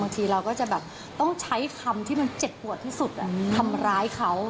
ทีเราก็จะแบบต้องใช้คำที่มันเจ็บปวดที่สุดทำร้ายเขา